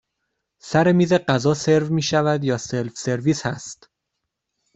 سر میز غذا سرو می شود یا سلف سرویس هست؟